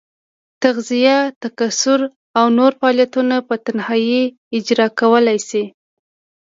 تغذیه، تکثر او نور فعالیتونه په تنهایي اجرا کولای شي.